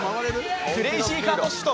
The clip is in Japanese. クレイジーカートシフト